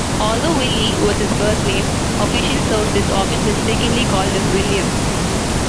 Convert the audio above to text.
Although Willie was his birth name, official sources often mistakenly called him William.